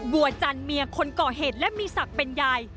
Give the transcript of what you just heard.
บัวจันเมียคนก่อเหตุและมีศักดิ์เป็นยาย